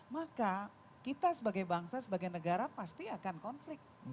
maka kita sebagai bangsa sebagai negara pasti akan konflik